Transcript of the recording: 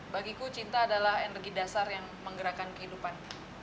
bagiku cinta adalah energi dasar yang menggerakkan kehidupan